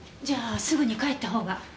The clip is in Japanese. じゃあすぐに帰ったほうが。